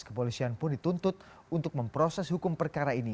kepolisian pun dituntut untuk memproses hukum perkara ini